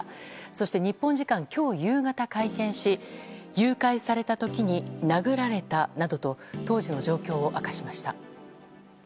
そして、日本時間今日夕方会見し誘拐された時に殴られたなどと当時の状況を明かしました。